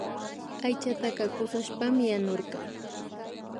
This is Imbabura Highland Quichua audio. Aychataka kushashpami yanurka